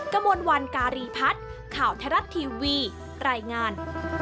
กระมวลวันการีพัฒน์ข่าวไทยรัฐทีวีรายงาน